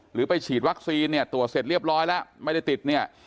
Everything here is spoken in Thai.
หรือไปฉีดวัคซีนเนี่ยตรวจเสร็จเรียบร้อยแล้วไม่ได้ติดเนี่ย